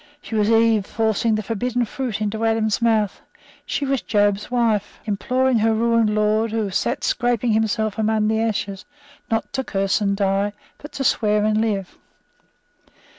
She was Eve forcing the forbidden fruit into Adam's mouth. She was Job's wife, imploring her ruined lord, who sate scraping himself among the ashes, not to curse and die, but to swear and live.